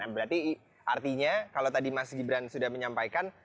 berarti artinya kalau tadi mas gibran sudah menyampaikan